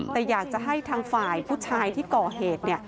แต่อยากจะให้ทางฝ่ายผู้ชายที่ก่อเหตุ